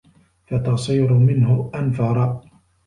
فَتَصِيرُ مِنْهُ أَنْفَرَ